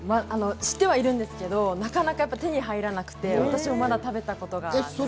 知ってはいるんですけど、なかなか手に入らなくて、私もまだ食べたことがないです。